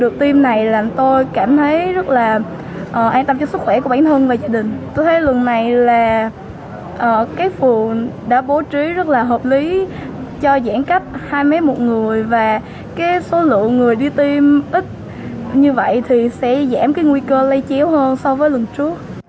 cái số lượng người đi tiêm ít như vậy thì sẽ giảm cái nguy cơ lây chiếu hơn so với lần trước